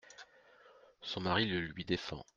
Son mari le lui défend.